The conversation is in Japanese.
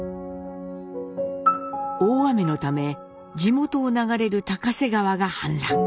大雨のため地元を流れる高瀬川が氾濫。